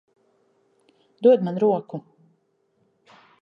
Dod man roku.